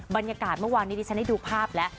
บรรยากาศเมื่อวานนี้ดิฉันได้ดูภาพแล้ว